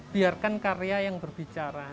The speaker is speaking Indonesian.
biarkan karya yang berbicara